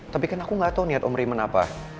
tapi kan aku gak tau niat om riman apa